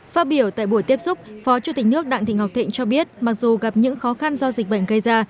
phát biểu tại buổi tiếp xúc phó chủ tịch nước đặng thị ngọc thịnh cho biết mặc dù gặp những khó khăn do dịch bệnh gây ra